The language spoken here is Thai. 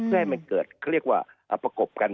ใช่มันเกิดขนาดเรียกว่าประกบกัน